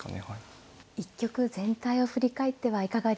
一局全体を振り返ってはいかがでしたでしょうか。